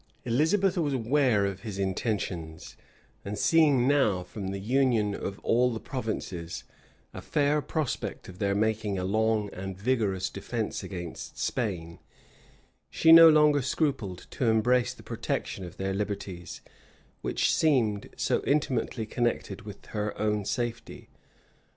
[*] Elizabeth was aware of his intentions; and seeing now, from the union of all the provinces, a fair prospect of their making a long and vigorous defence against Spain, she no longer scrupled to embrace the protection of their liberties, which seemed so intimately connected with her own safety.